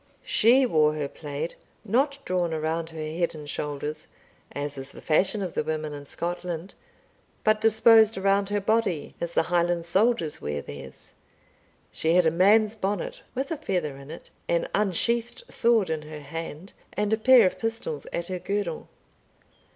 She wore her plaid, not drawn around her head and shoulders, as is the fashion of the women in Scotland, but disposed around her body as the Highland soldiers wear theirs. She had a man's bonnet, with a feather in it, an unsheathed sword in her hand, and a pair of pistols at her girdle.